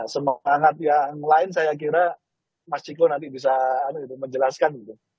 semangat yang lain saya kira mas ciko nanti bisa menjelaskan gitu